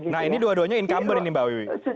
nah ini dua duanya incumbent ini mbak wiwi